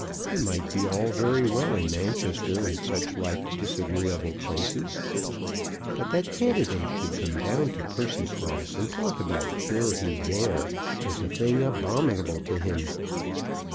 It might be all very well in Manchester and such like disagreeable places. But that candidates should come down to Percycross and talk about purity there, was a thing abominable to him.